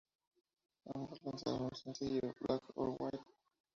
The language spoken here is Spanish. Ambos lanzaron un sencillo, "Black or White?